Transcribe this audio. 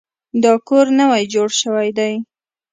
دا کور نوی جوړ شوی دی.